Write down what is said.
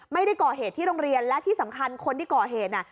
ไม่ได้ก่อเหตุที่โรงเรียนและที่สำคัญคนที่ก่อเหตุน่ะ